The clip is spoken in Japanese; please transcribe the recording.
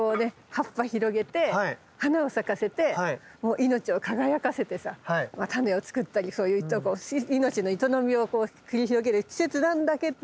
葉っぱ広げて花を咲かせてもう命を輝かせてさ種を作ったりそういう命の営みを繰り広げる季節なんだけど！